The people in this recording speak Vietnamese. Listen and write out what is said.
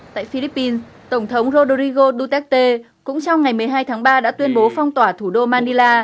tại philippines tổng thống rodorigo duterte cũng trong ngày một mươi hai tháng ba đã tuyên bố phong tỏa thủ đô manila